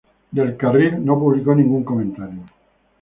Del Carril no publicó ningún comentario.